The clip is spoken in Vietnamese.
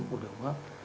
của đường hấp